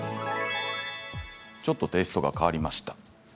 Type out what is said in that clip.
ちょっとテイストが変わりました。